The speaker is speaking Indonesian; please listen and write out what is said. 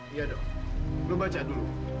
iya dok lo baca dulu